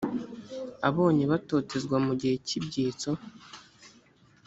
abonye batotezwa mu gihe cy’ibyitso